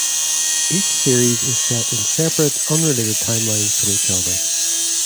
Each series is set in separate, unrelated timelines from each other.